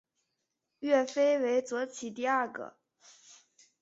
岳飞为左起第二位。